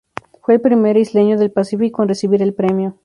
Fue el primer isleño del Pacífico en recibir el premio.